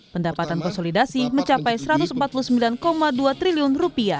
pendapatan konsolidasi mencapai rp satu ratus empat puluh sembilan dua triliun